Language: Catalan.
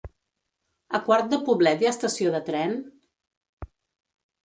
A Quart de Poblet hi ha estació de tren?